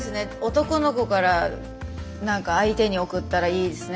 男の子から相手に贈ったらいいですね。